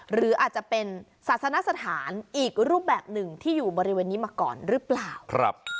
หรืออาจจะเป็นศาสนสถานอีกรูปแบบหนึ่งที่อยู่บริเวณนี้มาก่อนหรือเปล่า